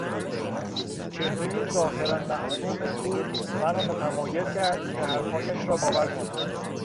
چهرهی ظاهرا معصوم او مرا متمایل کرد که حرفهایش را باور کنم.